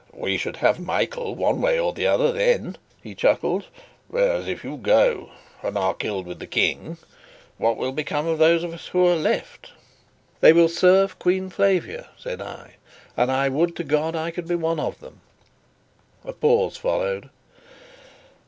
"We should have Michael one way or the other then," he chuckled; "whereas if you go and are killed with the King, what will become of those of us who are left?" "They will serve Queen Flavia," said I, "and I would to God I could be one of them." A pause followed.